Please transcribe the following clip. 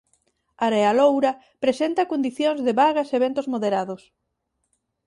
Area Loura presenta condicións de vagas e ventos moderados.